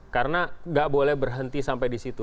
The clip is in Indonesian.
karena gak boleh berhenti sampai di situ